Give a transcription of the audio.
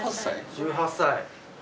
１８歳。